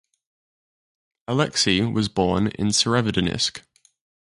Aleksey was born in Severodvinsk.